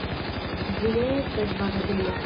Ĝi ne estas bagatelo!